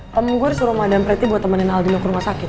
pem gue harus suruh madame preti buat temenin aldino ke rumah sakit